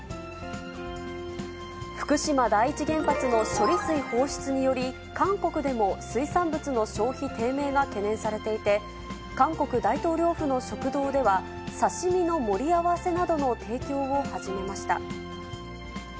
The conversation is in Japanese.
福島第一原発の処理水放出により、韓国でも水産物の消費低迷が懸念されていて、韓国大統領府の食堂では、刺身の盛り合わせなどの提供を始めました。